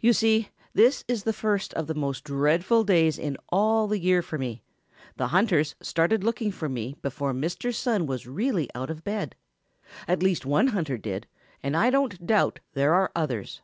You see, this is the first of the most dreadful days in all the year for me. The hunters started looking for me before Mr. Sun was really out of bed. At least one hunter did, and I don't doubt there are others.